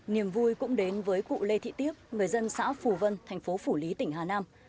niềm vui cũng đến với cụ lê thị tiếp người dân xã phù vân thành phố phủ lý tỉnh hà nam